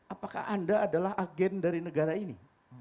apakah anda adalah agen dari negara ini